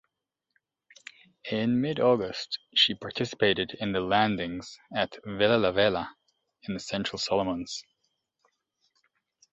In mid-August, she participated in the landings at Vella Lavella in the central Solomons.